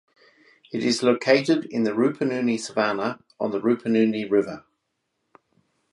It is located in the Rupununi savannah on the Rupununi River.